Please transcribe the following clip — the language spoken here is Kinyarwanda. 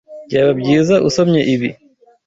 Byaba byiza usomye ibi.